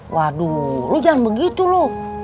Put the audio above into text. waduh lu jangan begitu lo